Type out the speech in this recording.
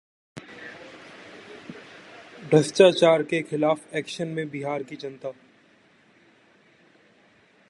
भ्रष्टाचार के खिलाफ एक्शन में बिहार की जनता